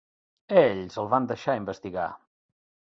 Ells el van deixar investigar.